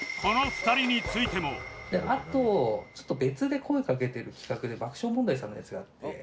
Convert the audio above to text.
あとちょっと別で声かけてる企画で爆笑問題さんのやつがあって。